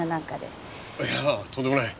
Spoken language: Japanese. いやとんでもない。